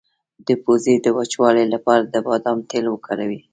د پوزې د وچوالي لپاره د بادام تېل وکاروئ